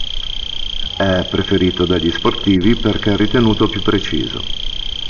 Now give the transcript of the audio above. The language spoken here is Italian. È preferito dagli sportivi perché ritenuto più preciso.